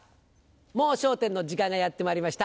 『もう笑点』の時間がやってまいりました。